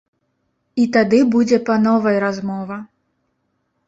І тады будзе па новай размова.